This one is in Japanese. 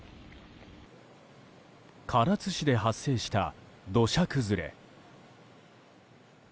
唐津市で発生した土砂崩れ。